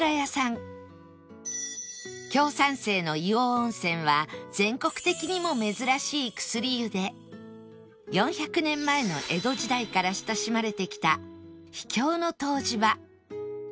強酸性の硫黄温泉は全国的にも珍しい薬湯で４００年前の江戸時代から親しまれてきた秘境の湯治場